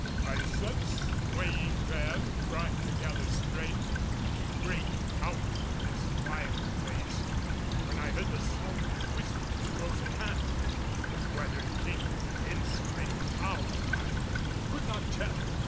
I sat swaying there, trying to gather strength to break out of this vile place, when I heard the sound of whispering close at hand; but whether it came from inside or out I could not tell.